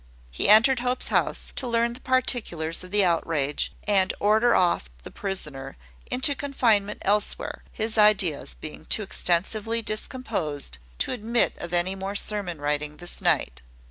He entered Hope's house, to learn the particulars of the outrage, and order off the prisoner into confinement elsewhere, his ideas being too extensively discomposed to admit of any more sermon writing this night.